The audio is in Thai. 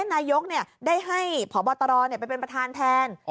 นายกได้ให้พบตรไปเป็นประธานแทน